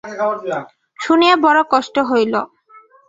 শুনিয়া বড়ো কষ্ট হইল।